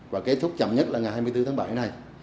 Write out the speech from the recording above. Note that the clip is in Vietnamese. và kết thúc chậm nhất là ngày hai mươi bốn tháng bảy này